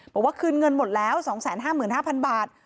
บอกว่าคืนเงินหมดแล้ว๒๕๕๐๐บาท